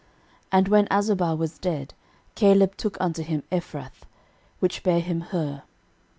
13:002:019 And when Azubah was dead, Caleb took unto him Ephrath, which bare him Hur.